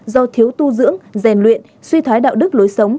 do thiếu tu dưỡng rèn luyện suy thoái đạo đức lối sống